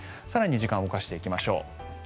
更に時間を動かしていきましょう。